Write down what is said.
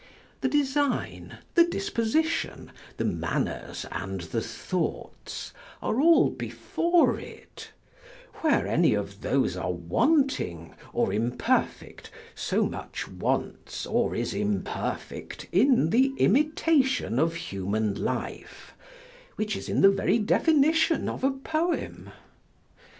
The design, the disposition, the manners, and the thoughts, are all before it: where any of those are wanting or imperfect, so much wants or is imperfect in the imitation of human life; which is in the very definition of a poem.